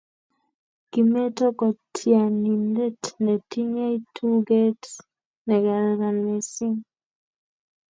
Kimeto ko tyenindet ne tinyei tuget ne kararan mising'